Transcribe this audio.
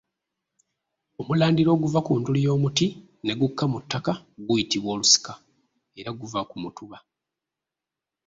Omulandira oguva ku nduli y’omuti ne gukka mu ttaka guyitibwa Olusika era guva ku Mutuba.